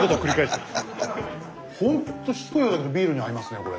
ほんとしつこいようだけどビールに合いますねこれね。